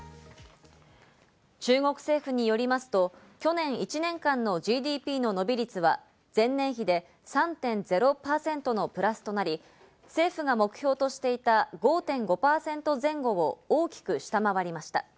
中国政府によりますと、去年１年間のＧＤＰの伸び率は前年比で３．０％のプラスとなり、政府が目標としていた５．５％前後を大きく下回りました。